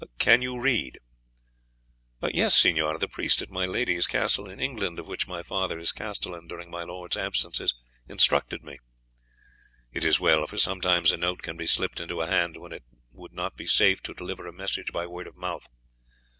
Can you read?" "Yes, signor; the priest at my lady's castle in England, of which my father is castellan during my lord's absences, instructed me." "It is well; for sometimes a note can be slipped into a hand when it would not be safe to deliver a message by word of mouth.